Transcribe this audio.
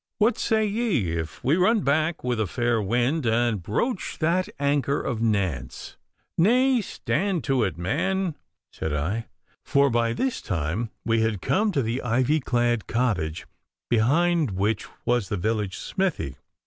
What say ye if we run back with a fair wind and broach that anker of Nants?' 'Nay, stand to it, man,' said I; for by this time, we had come to the ivy clad cottage behind which was the village smithy.